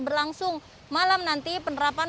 berlangsung malam nanti penerapan